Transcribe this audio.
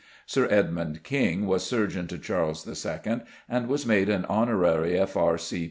=Sir Edmund King= was surgeon to Charles II., and was made an honorary F.R.